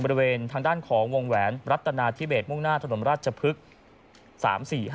บริเวณทางด้านของวงแหวนรัฐนาธิเบสมุ่งหน้าถนนราชพฤกษ์๓๔๕